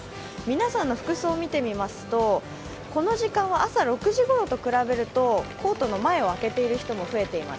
皆さんの服装を見てみますとこの時間は朝６時ごろと比べるとコートの前を開けている人も増えています。